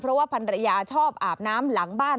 เพราะว่าพันรยาชอบอาบน้ำหลังบ้าน